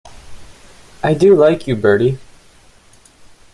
I do like you, Bertie.